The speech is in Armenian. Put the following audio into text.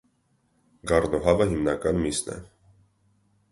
Գառն ու հավը հիմնական միսն է։